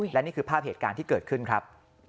และนี่คือภาพเหตุการณ์ที่เกิดขึ้นครับ